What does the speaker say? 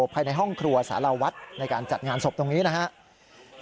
ภายในห้องครัวสารวัฒน์ในการจัดงานศพตรงนี้นะครับ